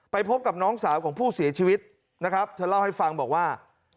พบกับน้องสาวของผู้เสียชีวิตนะครับเธอเล่าให้ฟังบอกว่า